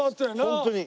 ホントに。